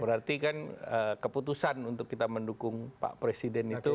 berarti kan keputusan untuk kita mendukung pak presiden itu